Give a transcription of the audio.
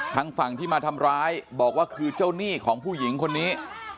ทางฝั่งที่มาทำร้ายบอกว่าคือเจ้าหนี้ของผู้หญิงคนนี้